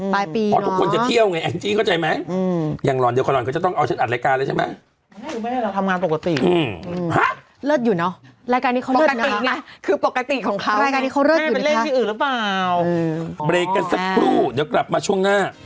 เบรกกันสักครู่เดี๋ยวกลับมาช่วงหน้า